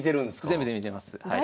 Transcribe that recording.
全部で見てますはい。